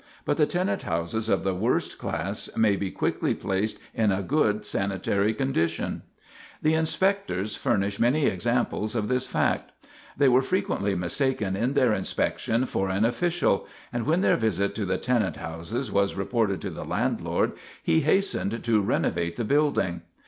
But the tenant houses of the worst class may be quickly placed in a good sanitary condition. [Sidenote: Improvements During the Inspection] The inspectors furnish many examples of this fact. They were frequently mistaken in their inspection for an official, and when their visit to the tenant houses was reported to the landlord, he hastened to renovate the building.